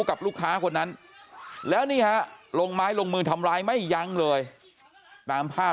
กับลูกค้าคนนั้นแล้วนี่ฮะลงไม้ลงมือทำร้ายไม่ยั้งเลยตามภาพ